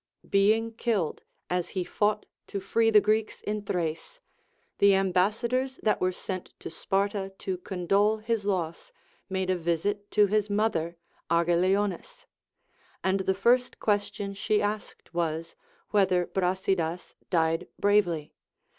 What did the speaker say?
Being killed as he fought to free the Greeks in Thrace, the ambassadors that were sent to Sparta to condole his loss made a visit to his mother Argileonis. And the first question she asked Avas, whether Brasidas died bravely.